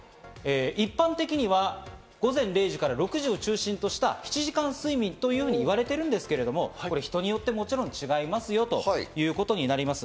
一般的には午前０時から６時を中心とした７時間睡眠と言われているんですけど、人によってもちろん違いますよということになります。